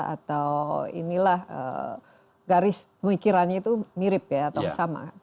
atau inilah garis pemikirannya itu mirip ya atau sama